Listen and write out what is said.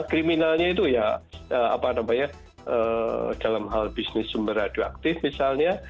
kriminalnya itu ya dalam hal bisnis sumber radioaktif misalnya